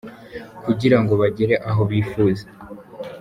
kugira ngo bagere aho bifuza.